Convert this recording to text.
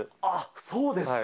そうですか。